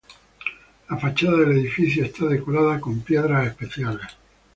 La fachada del edificio está decorada con piedras especiales.